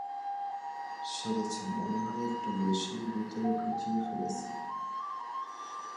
সেরেছে, মনে হয় একটু বেশিই ভেতরে ঢুকিয়ে ফেলেছি।